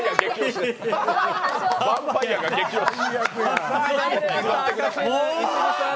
ヴァンパイアが激押し。